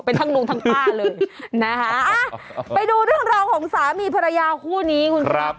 เป็นทั้งลุงทั้งป้าเลยนะคะไปดูเรื่องราวของสามีภรรยาคู่นี้คุณครับ